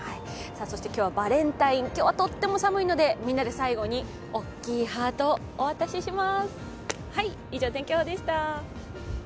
今日はバレンタイン、とっても寒いのでみんなで最後におっきいハートをお渡しします。